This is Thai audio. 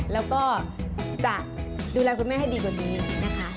แล้วก็จะดูแลคุณแม่ให้ดีกว่านี้นะคะ